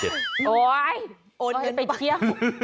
โอ๊ยโอ้ยไปเที่ยว